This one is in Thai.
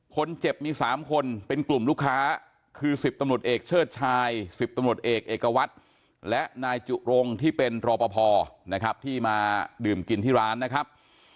คนเจ็บมี๓คนเป็นกลุ่มลูกค้าคือ๑๐ตำรวจเอกเชิดชาย๑๐ตำรวจเอกเอกวัตรและนายจุรงที่เป็นรอปภนะครับที่มาดื่มกินที่ร้านนะครับ